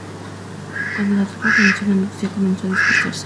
Cuando la tropa conoció la noticia, comenzó a dispersarse.